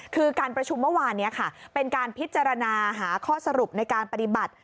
คือการประชุมเมื่อวานนี้ค่ะเป็นการพิจารณาหาข้อสรุปในการปฏิบัติ